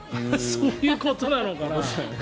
そういうことなのかな。